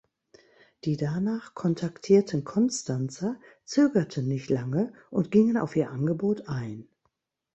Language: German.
Die danach kontaktierten Konstanzer zögerten nicht lange und gingen auf ihr Angebot ein.